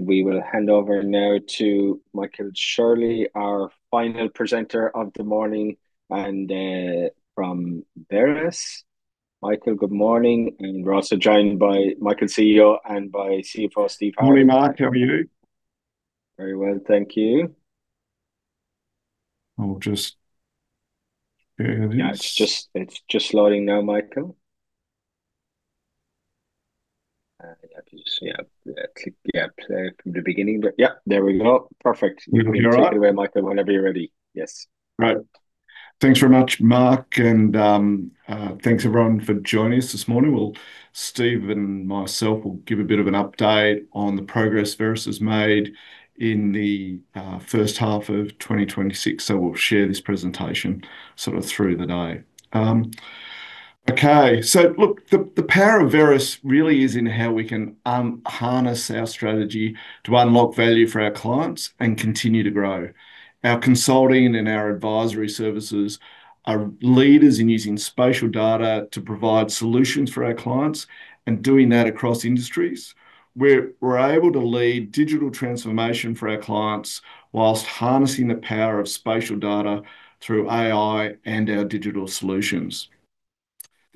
We will hand over now to Michael Shirley, our final presenter of the morning, and from Veris. Michael, good morning, and we're also joined by Michael, CEO, and by CFO, Steve Harding. Morning, Mark. How are you? Very well, thank you. I'll just share this. Yeah, it's just loading now, Michael. You have to just, yeah, click, yeah, play from the beginning, but, yep, there we go. Perfect. You're all right? You can take it away, Michael, whenever you're ready. Yes. Right. Thanks very much, Mark, thanks, everyone, for joining us this morning. Well, Steve and myself will give a bit of an update on the progress Veris has made in the first half of 2026. We'll share this presentation sort of through the day. Okay, look, the power of Veris really is in how we can harness our strategy to unlock value for our clients and continue to grow. Our consulting and our advisory services are leaders in using spatial data to provide solutions for our clients, doing that across industries. We're able to lead digital transformation for our clients, while harnessing the power of spatial data through AI and our digital solutions.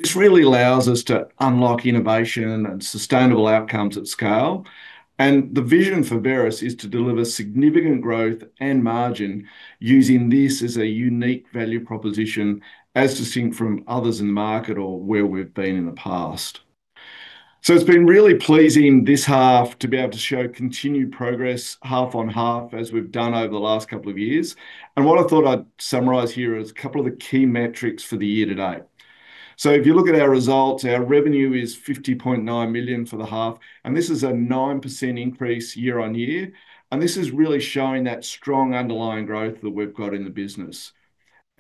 This really allows us to unlock innovation and sustainable outcomes at scale. The vision for Veris is to deliver significant growth and margin using this as a unique value proposition, as distinct from others in the market or where we've been in the past. It's been really pleasing this half to be able to show continued progress, half-on-half, as we've done over the last couple of years. What I thought I'd summarize here are a couple of the key metrics for the year to date. If you look at our results, our revenue is 50.9 million for the half. This is a 9% increase year-on-year. This is really showing that strong underlying growth that we've got in the business.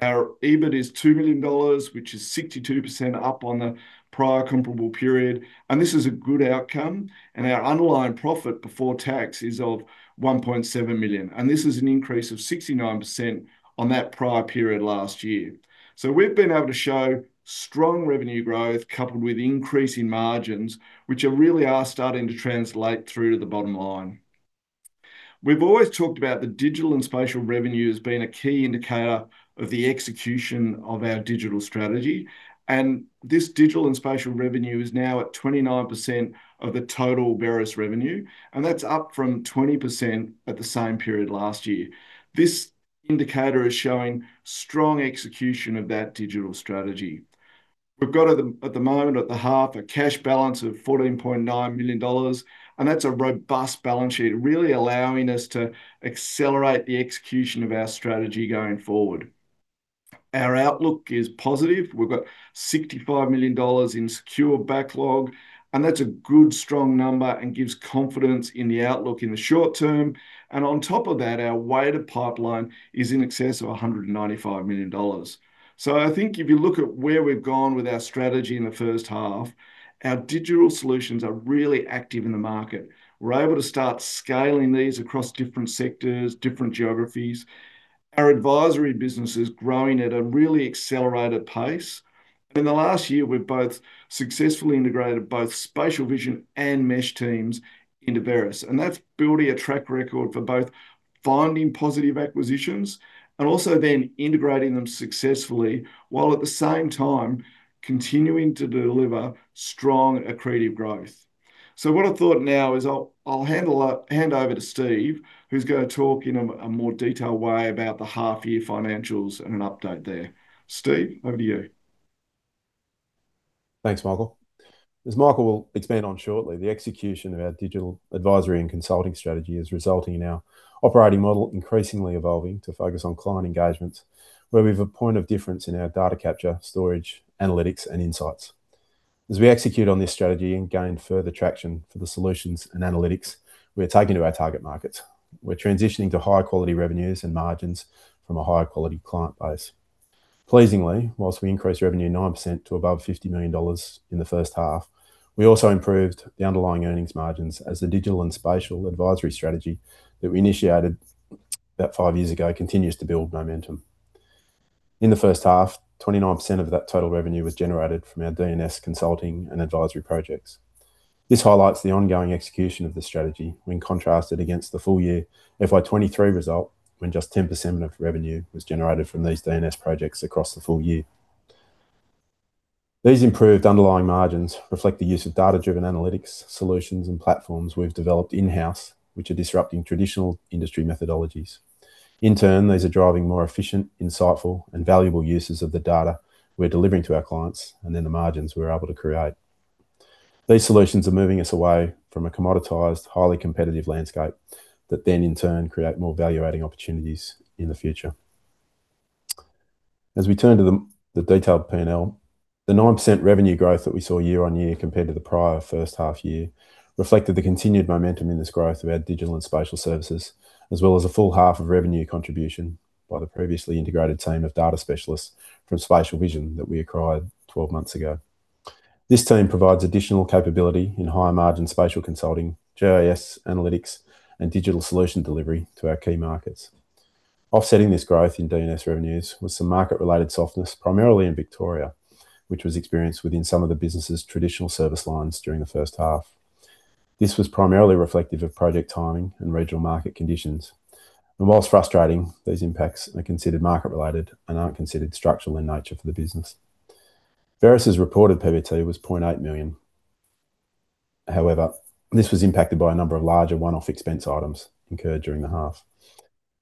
Our EBIT is 2 million dollars, which is 62% up on the prior comparable period. This is a good outcome. Our underlying profit before tax is 1.7 million. This is an increase of 69% on that prior period last year. We've been able to show strong revenue growth, coupled with increasing margins, which are really are starting to translate through to the bottom line. We've always talked about the digital and spatial revenue as being a key indicator of the execution of our digital strategy. This digital and spatial revenue is now at 29% of the total Veris revenue. That's up from 20% at the same period last year. This indicator is showing strong execution of that digital strategy. We've got at the moment, at the half, a cash balance of 14.9 million dollars. That's a robust balance sheet, really allowing us to accelerate the execution of our strategy going forward. Our outlook is positive. We've got 65 million dollars in secure backlog. That's a good, strong number and gives confidence in the outlook in the short term. On top of that, our weighted pipeline is in excess of 195 million dollars. I think if you look at where we've gone with our strategy in the first half, our digital solutions are really active in the market. We're able to start scaling these across different sectors, different geographies. Our advisory business is growing at a really accelerated pace. In the last year, we've both successfully integrated both Spatial Vision and Mesh teams into Veris, and that's building a track record for both finding positive acquisitions and also then integrating them successfully, while at the same time, continuing to deliver strong, accretive growth. What I thought now is I'll hand over to Steve, who's going to talk in a more detailed way about the half year financials and an update there. Steve, over to you. Thanks, Michael. As Michael will expand on shortly, the execution of our digital advisory and consulting strategy is resulting in our operating model increasingly evolving to focus on client engagements, where we have a point of difference in our data capture, storage, analytics, and insights. We execute on this strategy and gain further traction for the solutions and analytics, we're targeting to our target markets. We're transitioning to higher quality revenues and margins from a higher quality client base. Pleasingly, whilst we increased revenue 9% to above 50 million dollars in the first half, we also improved the underlying earnings margins as the digital and spatial advisory strategy that we initiated about five years ago continues to build momentum. In the first half, 29% of that total revenue was generated from our DNS consulting and advisory projects. This highlights the ongoing execution of the strategy when contrasted against the full year, FY 2023 result, when just 10% of revenue was generated from these DNS projects across the full year. These improved underlying margins reflect the use of data-driven analytics, solutions, and platforms we've developed in-house, which are disrupting traditional industry methodologies. These are driving more efficient, insightful, and valuable uses of the data we're delivering to our clients, and then the margins we're able to create. These solutions are moving us away from a commoditized, highly competitive landscape that then, in turn, creates more value-adding opportunities in the future. As we turn to the detailed P&L, the 9% revenue growth that we saw year-over-year compared to the prior first half reflected the continued momentum in this growth of our digital and spatial services, as well as a full half of revenue contribution by the previously integrated team of data specialists from Spatial Vision that we acquired 12 months ago. This team provides additional capability in higher margin spatial consulting, GIS analytics, and digital solution delivery to our key markets. Offsetting this growth in DNS revenues was some market-related softness, primarily in Victoria, which was experienced within some of the business's traditional service lines during the first half. This was primarily reflective of project timing and regional market conditions. Whilst frustrating, these impacts are considered market-related and aren't considered structural in nature for the business. Veris's reported PBT was 0.8 million. However, this was impacted by a number of larger one-off expense items incurred during the half.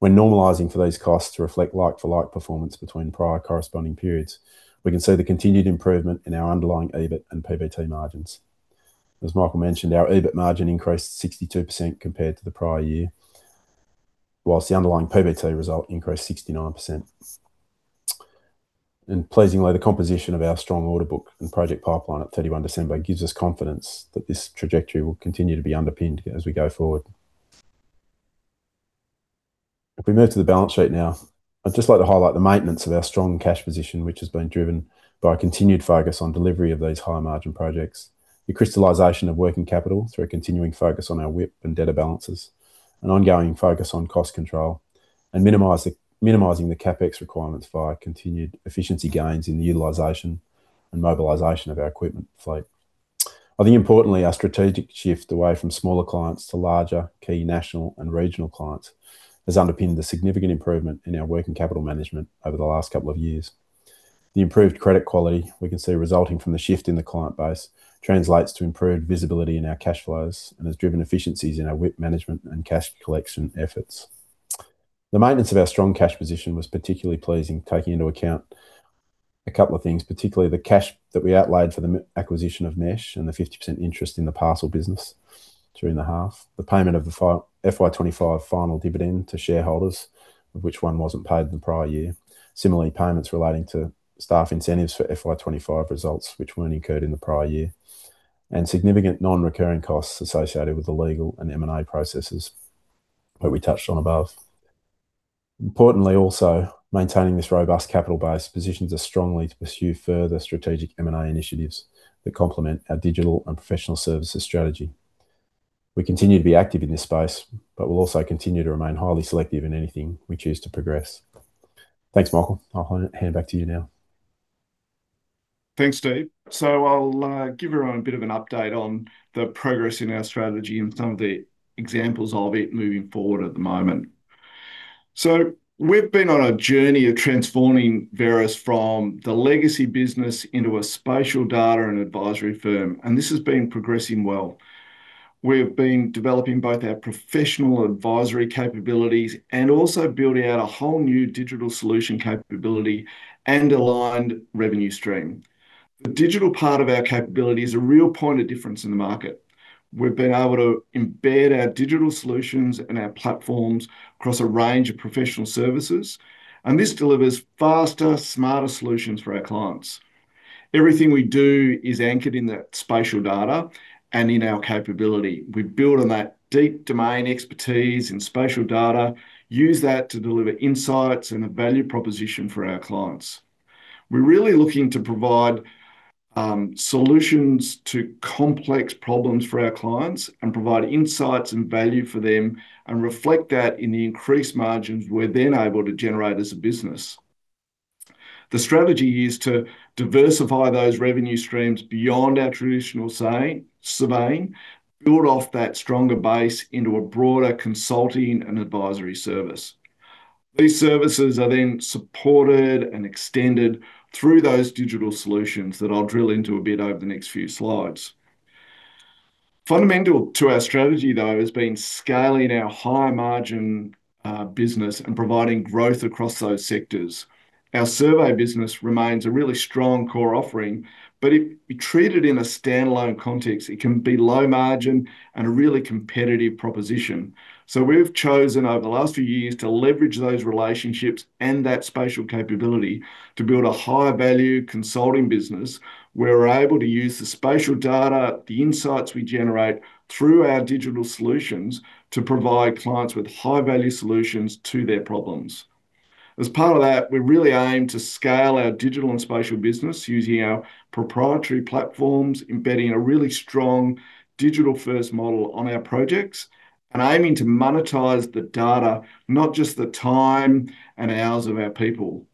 When normalizing for these costs to reflect like-for-like performance between prior corresponding periods, we can see the continued improvement in our underlying EBIT and PBT margins. As Michael mentioned, our EBIT margin increased 62% compared to the prior year, whilst the underlying PBT result increased 69%. Pleasingly, the composition of our strong order book and project pipeline at 31 December gives us confidence that this trajectory will continue to be underpinned as we go forward. If we move to the balance sheet now, I'd just like to highlight the maintenance of our strong cash position, which has been driven by a continued focus on delivery of these higher-margin projects, the crystallization of working capital through a continuing focus on our WIP and debtor balances, an ongoing focus on cost control, and minimizing the CapEx requirements via continued efficiency gains in the utilization and mobilization of our equipment fleet. I think, importantly, our strategic shift away from smaller clients to larger, key national and regional clients has underpinned the significant improvement in our working capital management over the last couple of years. The improved credit quality we can see resulting from the shift in the client base translates to improved visibility in our cash flows and has driven efficiencies in our WIP management and cash collection efforts. The maintenance of our strong cash position was particularly pleasing, taking into account a couple of things, particularly the cash that we outlaid for the acquisition of Mesh and the 50% interest in the Parsel business during the half. The payment of the FY 2025 final dividend to shareholders, of which one wasn't paid in the prior year. Similarly, payments relating to staff incentives for FY 2025 results, which weren't incurred in the prior year, and significant non-recurring costs associated with the legal and M&A processes that we touched on above. Importantly, also, maintaining this robust capital base positions us strongly to pursue further strategic M&A initiatives that complement our digital and professional services strategy. We continue to be active in this space, but we'll also continue to remain highly selective in anything we choose to progress. Thanks, Michael. I'll hand back to you now. Thanks, Steve. I'll give everyone a bit of an update on the progress in our strategy and some of the examples of it moving forward at the moment. We've been on a journey of transforming Veris from the legacy business into a spatial data and advisory firm, and this has been progressing well. We've been developing both our professional advisory capabilities and also building out a whole new digital solution capability and aligned revenue stream. The digital part of our capability is a real point of difference in the market. We've been able to embed our digital solutions and our platforms across a range of professional services, and this delivers faster, smarter solutions for our clients. Everything we do is anchored in that spatial data and in our capability. We build on that deep domain expertise in spatial data, use that to deliver insights and a value proposition for our clients. We're really looking to provide solutions to complex problems for our clients and provide insights and value for them, and reflect that in the increased margins we're then able to generate as a business. The strategy is to diversify those revenue streams beyond our traditional surveying, build off that stronger base into a broader consulting and advisory service. These services are then supported and extended through those digital solutions that I'll drill into a bit over the next few slides. Fundamental to our strategy, though, has been scaling our high-margin business and providing growth across those sectors. Our survey business remains a really strong core offering, but if treated in a standalone context, it can be low margin and a really competitive proposition. We've chosen, over the last few years, to leverage those relationships and that spatial capability to build a higher-value consulting business, where we're able to use the spatial data, the insights we generate through our digital solutions, to provide clients with high-value solutions to their problems. As part of that, we really aim to scale our digital and spatial business using our proprietary platforms, embedding a really strong digital-first model on our projects, and aiming to monetize the data, not just the time and hours of our people.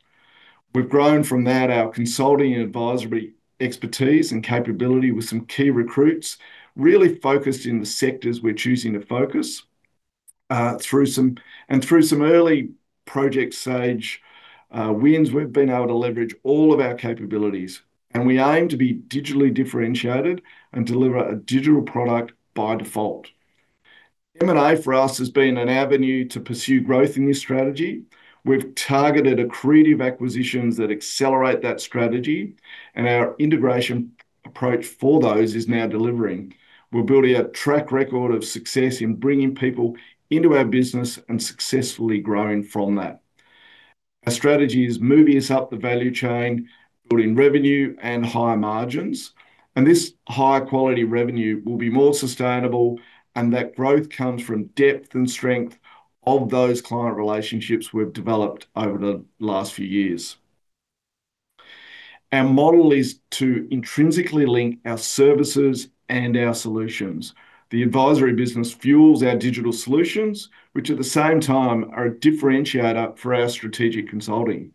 We've grown from that, our consulting and advisory expertise and capability with some key recruits, really focused in the sectors we're choosing to focus, and through some early project stage wins, we've been able to leverage all of our capabilities, and we aim to be digitally differentiated and deliver a digital product by default. M&A, for us, has been an avenue to pursue growth in this strategy. We've targeted accretive acquisitions that accelerate that strategy, and our integration approach for those is now delivering. We're building a track record of success in bringing people into our business and successfully growing from that. Our strategy is moving us up the value chain, building revenue and higher margins, and this higher quality revenue will be more sustainable, and that growth comes from depth and strength of those client relationships we've developed over the last few years. Our model is to intrinsically link our services and our solutions. The advisory business fuels our digital solutions, which at the same time are a differentiator for our strategic consulting.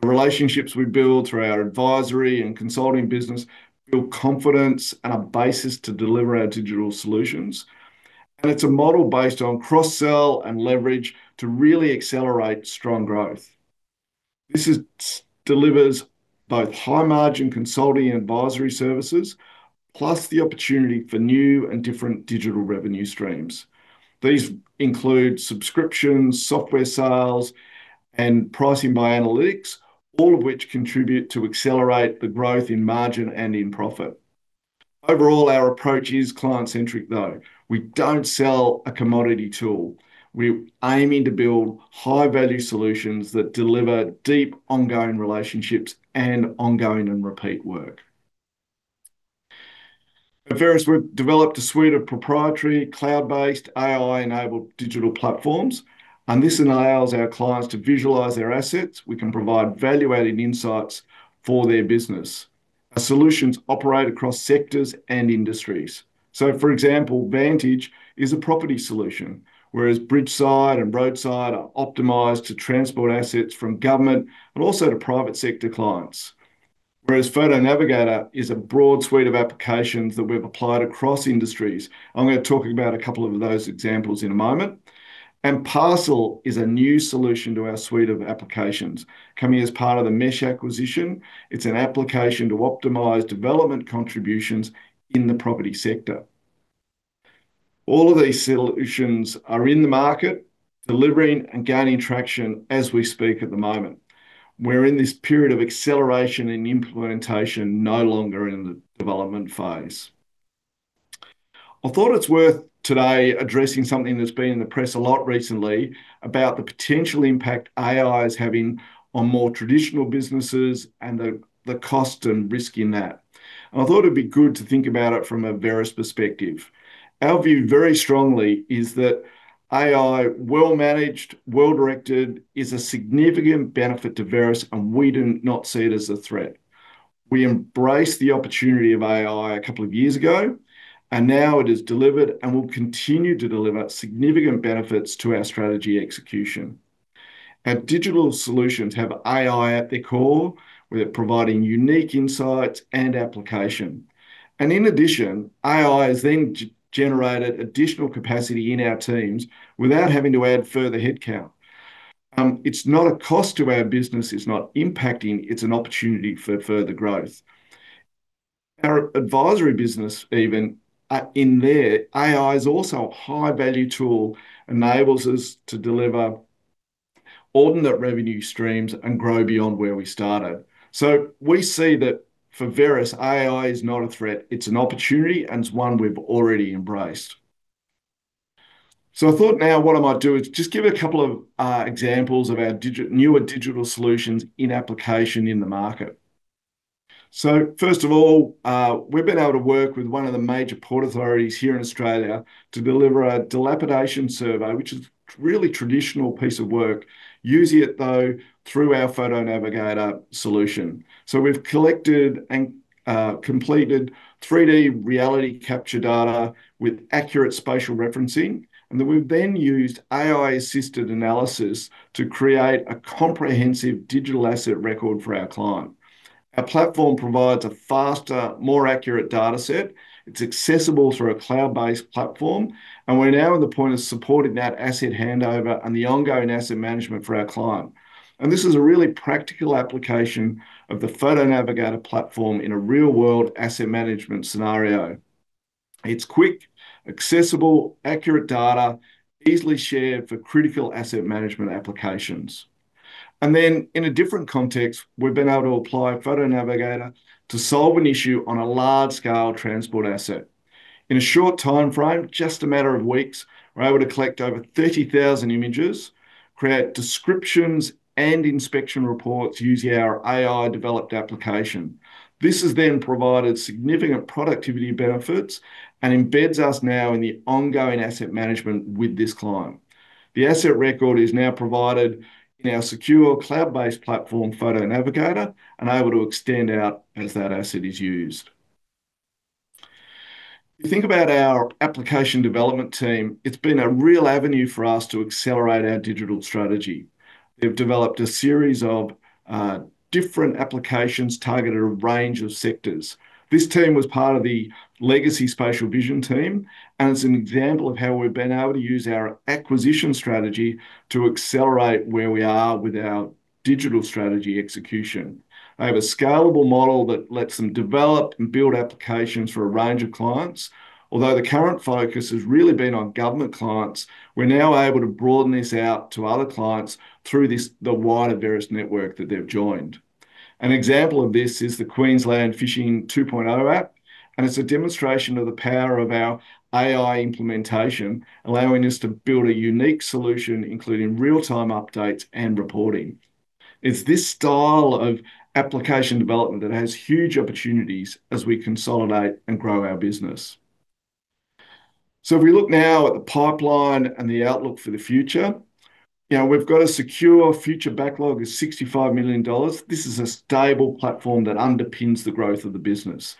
The relationships we build through our advisory and consulting business build confidence and a basis to deliver our digital solutions. It's a model based on cross-sell and leverage to really accelerate strong growth. This delivers both high-margin consulting and advisory services, plus the opportunity for new and different digital revenue streams. These include subscriptions, software sales, and pricing by analytics, all of which contribute to accelerate the growth in margin and in profit. Overall, our approach is client-centric, though. We don't sell a commodity tool. We're aiming to build high-value solutions that deliver deep, ongoing relationships and ongoing and repeat work. At Veris, we've developed a suite of proprietary, cloud-based, AI-enabled digital platforms. This enables our clients to visualize their assets. We can provide value-added insights for their business. Our solutions operate across sectors and industries. For example, Vantage is a property solution, whereas BridgeSight and RoadSight are optimized to transport assets from government and also to private sector clients. Whereas PhotoNavigator is a broad suite of applications that we've applied across industries. I'm gonna talk about a couple of those examples in a moment. Parsel is a new solution to our suite of applications. Coming as part of the Mesh acquisition, it's an application to optimize development contributions in the property sector. All of these solutions are in the market, delivering and gaining traction as we speak at the moment. We're in this period of acceleration and implementation, no longer in the development phase. I thought it's worth today addressing something that's been in the press a lot recently about the potential impact AI is having on more traditional businesses and the cost and risk in that. I thought it'd be good to think about it from a Veris perspective. Our view, very strongly, is that AI, well-managed, well-directed, is a significant benefit to Veris, and we do not see it as a threat. We embraced the opportunity of AI a couple of years ago, and now it has delivered and will continue to deliver significant benefits to our strategy execution. Our digital solutions have AI at their core. We're providing unique insights and application. In addition, AI has then generated additional capacity in our teams without having to add further headcount. It's not a cost to our business, it's not impacting, it's an opportunity for further growth. Our advisory business, even, in there, AI is also a high-value tool, enables us to deliver alternate revenue streams and grow beyond where we started. We see that for Veris, AI is not a threat, it's an opportunity, and it's one we've already embraced. I thought now what I might do is just give a couple of examples of our newer digital solutions in application in the market. First of all, we've been able to work with one of the major port authorities here in Australia to deliver a dilapidation survey, which is a really traditional piece of work, using it, though, through our PhotoNavigator solution. We've collected and completed 3D reality capture data with accurate spatial referencing, and then we've then used AI-assisted analysis to create a comprehensive digital asset record for our client. Our platform provides a faster, more accurate dataset. It's accessible through a cloud-based platform, and we're now at the point of supporting that asset handover and the ongoing asset management for our client. This is a really practical application of the PhotoNavigator platform in a real-world asset management scenario. It's quick, accessible, and accurate data, easily shared for critical asset management applications. In a different context, we've been able to apply PhotoNavigator to solve an issue on a large-scale transport asset. In a short timeframe, just a matter of weeks, we're able to collect over 30,000 images, create descriptions and inspection reports using our AI-developed application. This has then provided significant productivity benefits and embeds us now in the ongoing asset management with this client. The asset record is now provided in our secure, cloud-based platform, PhotoNavigator, and able to extend out as that asset is used. If you think about our application development team, it's been a real avenue for us to accelerate our digital strategy. They've developed a series of different applications targeted at a range of sectors. This team was part of the legacy Spatial Vision team, and it's an example of how we've been able to use our acquisition strategy to accelerate where we are with our digital strategy execution. They have a scalable model that lets them develop and build applications for a range of clients. Although the current focus has really been on government clients, we're now able to broaden this out to other clients through this, the wider Veris network that they've joined. An example of this is the QLD Fishing 2.0 app, and it's a demonstration of the power of our AI implementation, allowing us to build a unique solution, including real-time updates and reporting. It's this style of application development that has huge opportunities as we consolidate and grow our business. If we look now at the pipeline and the outlook for the future, you know, we've got a secure future backlog of 65 million dollars. This is a stable platform that underpins the growth of the business.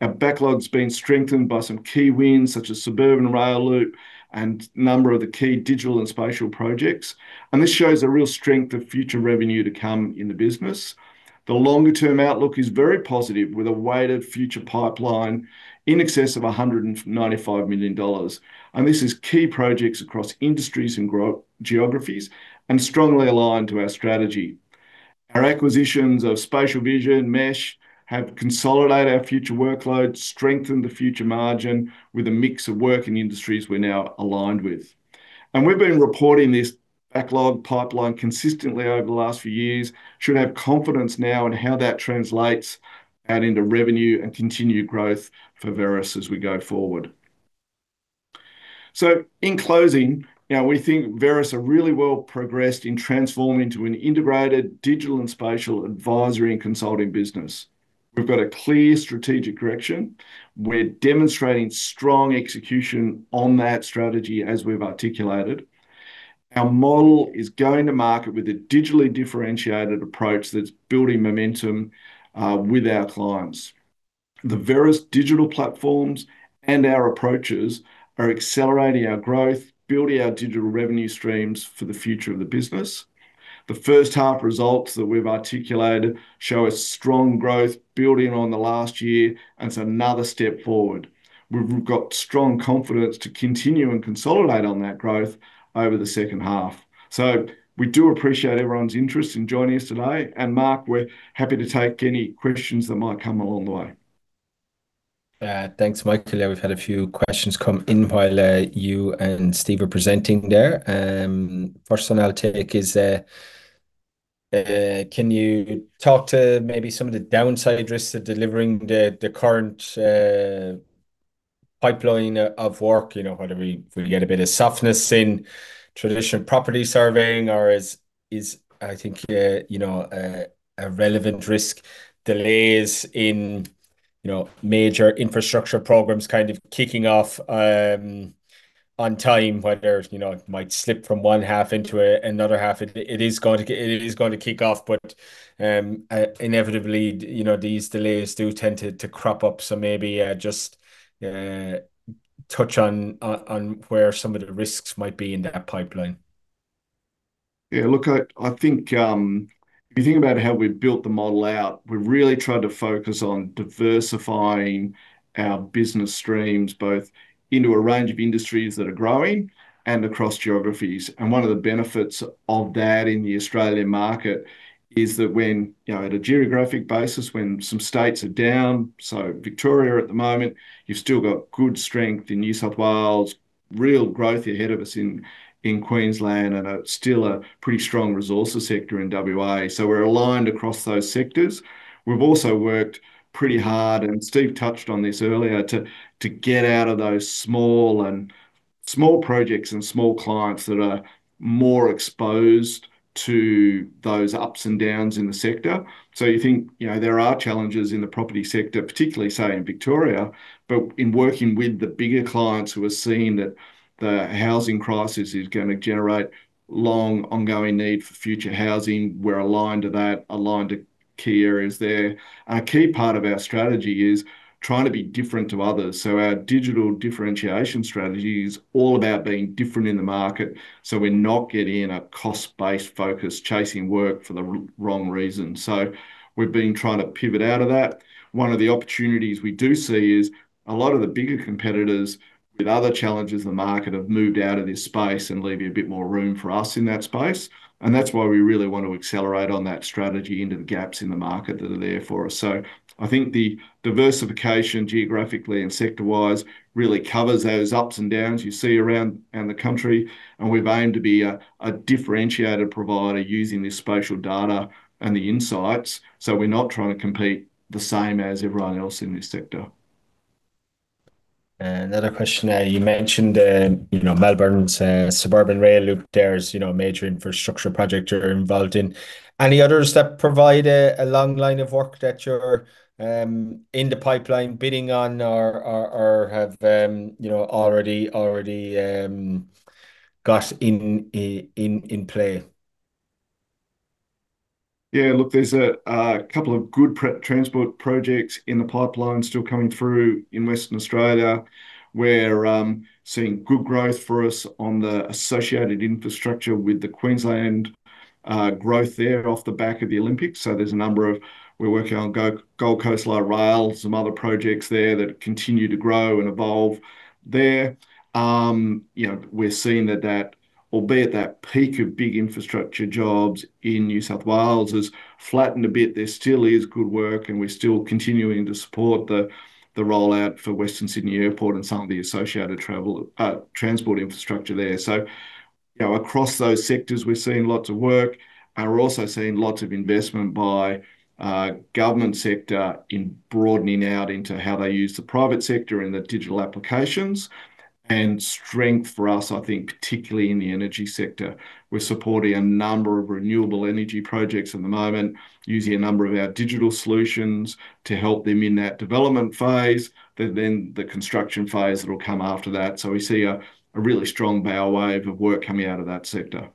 Our backlog's been strengthened by some key wins, such as Suburban Rail Loop and a number of the key digital and spatial projects. This shows a real strength of future revenue to come in the business. The longer-term outlook is very positive, with a weighted future pipeline in excess of 195 million dollars. This is key projects across industries and geographies and strongly aligned to our strategy. Our acquisitions of Spatial Vision, Mesh, have consolidated our future workloads, strengthened the future margin with a mix of work in industries we're now aligned with. We've been reporting this backlog pipeline consistently over the last few years. Should have confidence now in how that translates out into revenue and continued growth for Veris as we go forward. In closing, you know, we think Veris are really well progressed in transforming into an integrated digital and spatial advisory and consulting business. We've got a clear strategic direction. We're demonstrating strong execution on that strategy, as we've articulated. Our model is going to market with a digitally differentiated approach that's building momentum with our clients. The Veris digital platforms and our approaches are accelerating our growth, building our digital revenue streams for the future of the business. The first half results that we've articulated show a strong growth, building on the last year, and it's another step forward. We've got strong confidence to continue and consolidate on that growth over the second half. We do appreciate everyone's interest in joining us today. Mark, we're happy to take any questions that might come along the way. Thanks, Mike. Today, we've had a few questions come in while you and Steve were presenting there. First one I'll take is, can you talk to maybe some of the downside risks of delivering the current pipeline of work? You know, whether we get a bit of softness in traditional property surveying, or is, I think, you know, a relevant risk, delays in, you know, major infrastructure programs kind of kicking off on time, whether, you know, it might slip from one half into another half. It is going to kick off, but inevitably, you know, these delays do tend to crop up. Maybe just touch on where some of the risks might be in that pipeline. Yeah, look, I think, if you think about how we've built the model out, we've really tried to focus on diversifying our business streams, both into a range of industries that are growing and across geographies. One of the benefits of that in the Australian market is that when, you know, at a geographic basis, when some states are down, so Victoria at the moment, you've still got good strength in New South Wales, real growth ahead of us in Queensland, and still a pretty strong resources sector in WA. We're aligned across those sectors. We've also worked pretty hard, and Steve touched on this earlier, to get out of those small projects and small clients that are more exposed to those ups and downs in the sector. You think, you know, there are challenges in the property sector, particularly, say, in Victoria, but in working with the bigger clients who are seeing that the housing crisis is going to generate long, ongoing need for future housing, we're aligned to that, aligned to key areas there. A key part of our strategy is trying to be different to others. Our digital differentiation strategy is all about being different in the market. We're not getting in a cost-based focus, chasing work for the wrong reasons. We've been trying to pivot out of that. One of the opportunities we do see is a lot of the bigger competitors, with other challenges in the market, have moved out of this space and leaving a bit more room for us in that space. That's why we really want to accelerate on that strategy into the gaps in the market that are there for us. I think the diversification geographically and sector-wise really covers those ups and downs you see around in the country. We've aimed to be a differentiated provider using this spatial data and the insights. We're not trying to compete the same as everyone else in this sector. Another question. You mentioned, you know, Melbourne's Suburban Rail Loop. There's, you know, a major infrastructure project you're involved in. Any others that provide a long line of work that you're in the pipeline bidding on or have, you know, already got in play? Yeah, look, there's a couple of good transport projects in the pipeline still coming through in Western Australia. We're seeing good growth for us on the associated infrastructure with the Queensland growth there off the back of the Olympics. There's a number of We're working on Gold Coast Light Rail, some other projects there that continue to grow and evolve there. You know, we're seeing that albeit that peak of big infrastructure jobs in New South Wales has flattened a bit, there still is good work, and we're still continuing to support the rollout for Western Sydney Airport and some of the associated travel, transport infrastructure there. You know, across those sectors, we're seeing lots of work, and we're also seeing lots of investment by government sector in broadening out into how they use the private sector in the digital applications. Strength for us, I think, particularly in the energy sector. We're supporting a number of renewable energy projects at the moment, using a number of our digital solutions to help them in that development phase, but then the construction phase that'll come after that. We see a really strong bow wave of work coming out of that sector.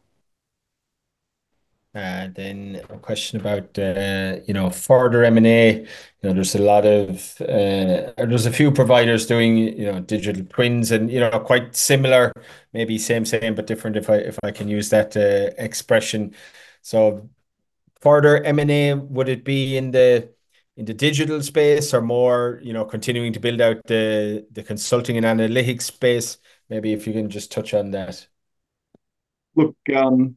Then a question about, you know, further M&A. You know, there's a lot of, there's a few providers doing, you know, digital twins and, you know, are quite similar, maybe same, but different, if I, if I can use that expression. Further M&A, would it be in the, in the digital space or more, you know, continuing to build out the consulting and analytics space? Maybe if you can just touch on that. Look, I've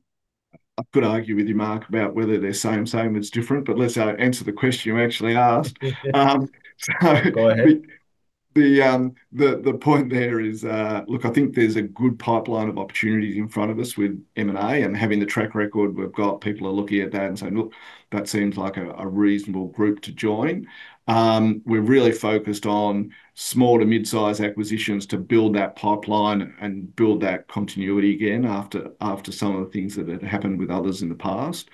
got to argue with you, Mark, about whether they're same, it's different, but let's answer the question you actually asked. Go ahead. The point there is, look, I think there's a good pipeline of opportunities in front of us with M&A, and having the track record we've got, people are looking at that and saying, "Look, that seems like a reasonable group to join." We're really focused on small to mid-size acquisitions to build that pipeline and build that continuity again after some of the things that had happened with others in the past.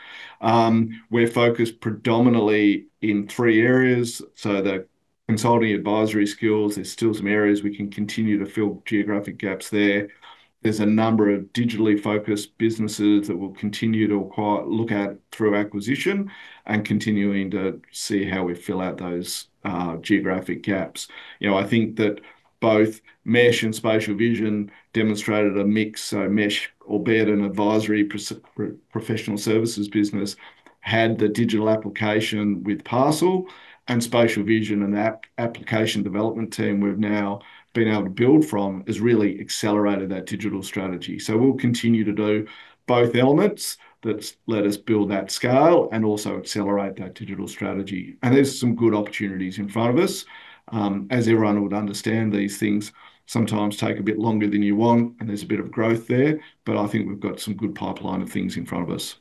We're focused predominantly in three areas. The consulting advisory skills, there's still some areas we can continue to fill geographic gaps there. There's a number of digitally focused businesses that we'll continue to acquire, look at through acquisition, and continuing to see how we fill out those geographic gaps. You know, I think that both Mesh and Spatial Vision demonstrated a mix. Mesh, albeit an advisory professional services business, had the digital application with Parsel and Spatial Vision, application development team we've now been able to build from, has really accelerated that digital strategy. We'll continue to do both elements that's let us build that scale and also accelerate that digital strategy. There's some good opportunities in front of us. As everyone would understand, these things sometimes take a bit longer than you want, and there's a bit of growth there, but I think we've got some good pipeline of things in front of us.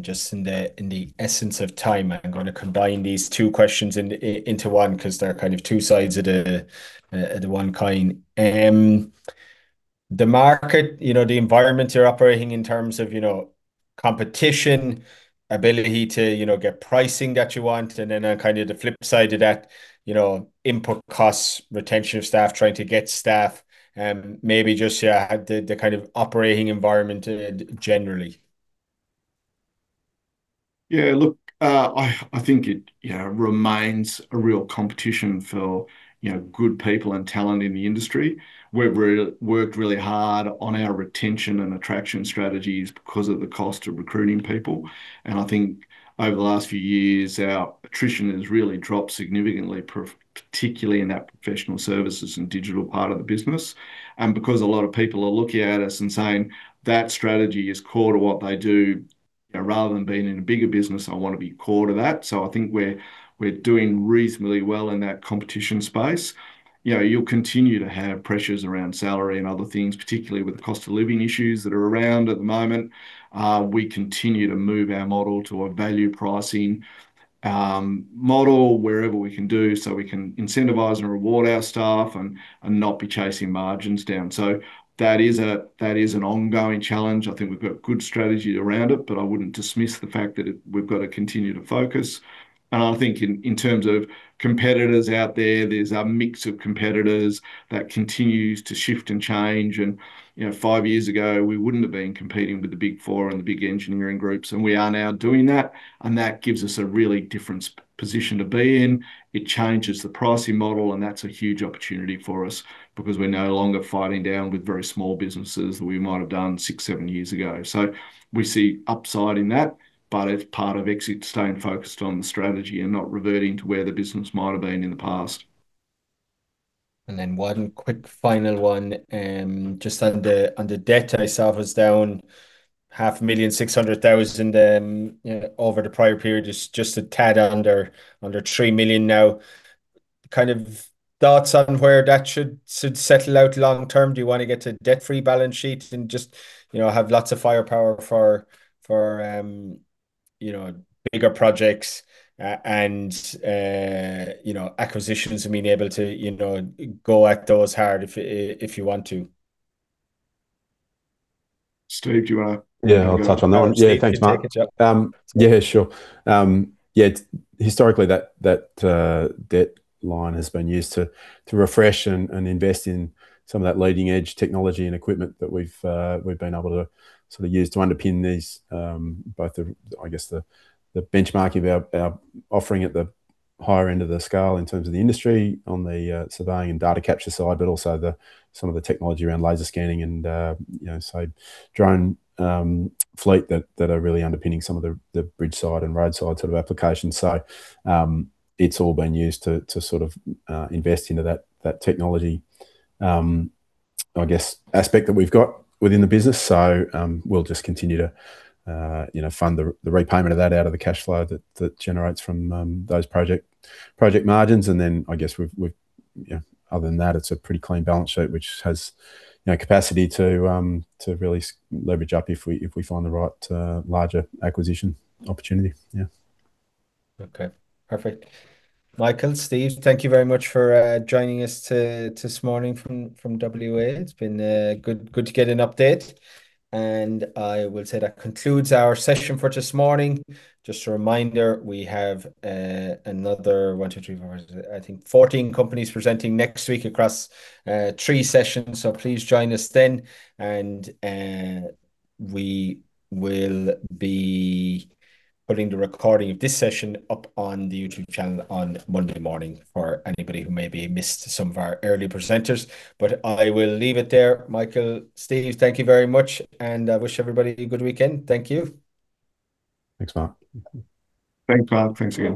Just in the, in the essence of time, I'm gonna combine these two questions into one, 'cause they're kind of two sides of the one coin. The market, you know, the environment you're operating in terms of, you know, competition, ability to, you know, get pricing that you want, and then, kind of the flip side to that, you know, input costs, retention of staff, trying to get staff, maybe just, yeah, the kind of operating environment, generally. Yeah, look, I think it, you know, remains a real competition for, you know, good people and talent in the industry. We've worked really hard on our retention and attraction strategies because of the cost of recruiting people, and I think over the last few years, our attrition has really dropped significantly, particularly in that professional services and digital part of the business. Because a lot of people are looking at us and saying that strategy is core to what they do, rather than being in a bigger business, I want to be core to that. I think we're doing reasonably well in that competition space. You know, you'll continue to have pressures around salary and other things, particularly with the cost of living issues that are around at the moment. We continue to move our model to a value pricing model wherever we can do, so we can incentivize and reward our staff and not be chasing margins down. That is an ongoing challenge. I think we've got good strategy around it, but I wouldn't dismiss the fact that we've got to continue to focus. I think in terms of competitors out there's a mix of competitors that continues to shift and change. You know, five years ago, we wouldn't have been competing with the Big 4 and the big engineering groups, and we are now doing that, and that gives us a really different position to be in. It changes the pricing model, and that's a huge opportunity for us because we're no longer fighting down with very small businesses that we might have done six, seven years ago. We see upside in that, but it's part of exit, staying focused on the strategy and not reverting to where the business might have been in the past. One quick final one, just on the debt I saw was down half a million, 600,000 over the prior period, just a tad under 3 million now. Kind of thoughts on where that should settle out long term? Do you want to get to debt-free balance sheet and just, you know, have lots of firepower for, you know, bigger projects, and, you know, acquisitions and being able to, you know, go at those hard if you want to? Steve, do you want to. Yeah, I'll touch on that one. Yeah, thanks, Mark. Yeah, sure. Historically, that debt line has been used to refresh and invest in some of that leading-edge technology and equipment that we've been able to sort of use to underpin these, both the, I guess, the benchmarking of our offering at the higher end of the scale in terms of the industry on the surveying and data capture side, but also the some of the technology around laser scanning and, you know, so drone fleet that are really underpinning some of the BridgeSight and RoadSight sort of applications. It's all been used to sort of invest into that technology, I guess, aspect that we've got within the business. We'll just continue to, you know, fund the repayment of that out of the cash flow that generates from, those project margins. I guess we've. Yeah, other than that, it's a pretty clean balance sheet, which has, you know, capacity to really leverage up if we, if we find the right, larger acquisition opportunity. Yeah. Okay. Perfect. Michael, Steve, thank you very much for joining us this morning from WA. It's been good to get an update. I will say that concludes our session for this morning. Just a reminder, we have another one, two, three, four. I think 14 companies presenting next week across three sessions. Please join us then. We will be putting the recording of this session up on the YouTube channel on Monday morning for anybody who maybe missed some of our early presenters. I will leave it there. Michael, Steve, thank you very much. I wish everybody a good weekend. Thank you. Thanks, Mark. Thanks, Mark. Thanks, again.